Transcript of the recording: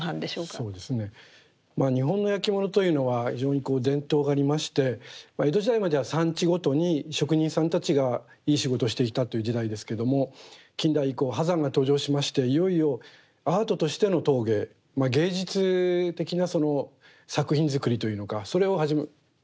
そうですね日本のやきものというのは非常に伝統がありまして江戸時代までは産地ごとに職人さんたちがいい仕事をしていたという時代ですけども近代以降波山が登場しましていよいよアートとしての陶芸芸術的な作品作りというのかそれを始めたわけです。